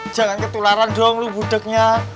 jangan ketularan dong lu budegnya